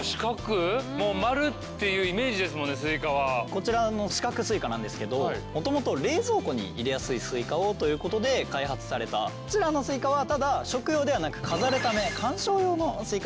こちらの四角スイカなんですけどもともと冷蔵庫に入れやすいスイカをということで開発されたこちらのスイカはただ食用ではなく飾るため観賞用のスイカになっているんですね。